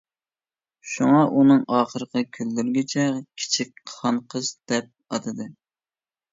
شۇڭا ئۇنىڭ ئاخىرقى كۈنلىرىگىچە كىچىك خانقىز دەپ ئاتىدى.